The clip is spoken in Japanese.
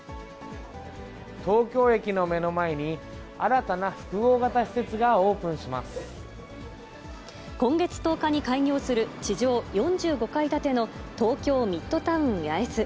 東京駅の目の前に、新たな複今月１０日に開業する、地上４５階建ての東京ミッドタウン八重洲。